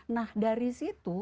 nah dari situ